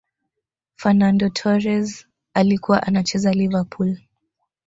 fernando torres alikuwa anacheza liverpool